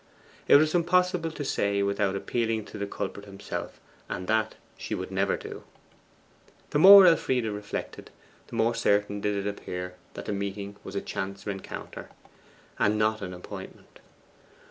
It was impossible to say without appealing to the culprit himself, and that she would never do. The more Elfride reflected, the more certain did it appear that the meeting was a chance rencounter, and not an appointment.